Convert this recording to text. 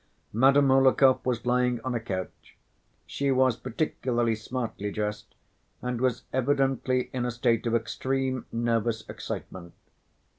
Madame Hohlakov was lying on a couch. She was particularly smartly dressed and was evidently in a state of extreme nervous excitement.